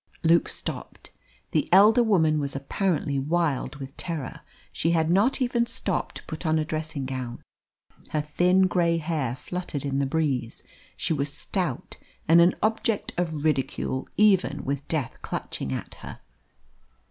Luke stopped. The elder woman was apparently wild with terror. She had not even stopped to put on a dressing gown. Her thin grey hair fluttered in the breeze. She was stout and an object of ridicule even with death clutching at her.